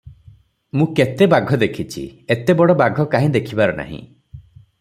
ମୁଁ କେତେ ବାଘ ଦେଖିଛି, ଏତେ ବଡ଼ ବାଘ କାହିଁ ଦେଖିବାର ନାହିଁ ।